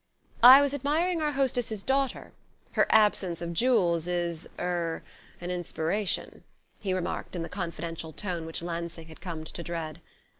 "I was admiring our hostess's daughter. Her absence of jewels is er an inspiration," he remarked in the confidential tone which Lansing had come to dread.